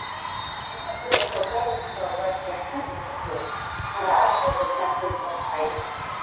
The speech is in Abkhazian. Аӡарақәа гәарзхуа агәаҷ еиҳа деибыҭоуп, ҳара абнада царҭа змам ҳаиҳа.